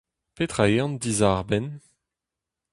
Petra eo an dizarbenn ?